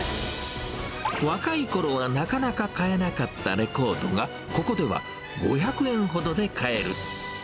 若いころはなかなか買えなかったレコードが、ここでは５００円ほどで買える。